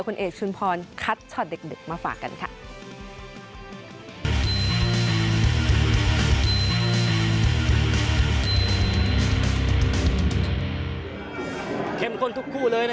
คุณเอกชุมพรคัดชอตเด็กมาฝากกันค่ะ